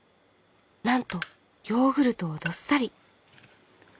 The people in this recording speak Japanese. なんとヨーグルトをどっさり。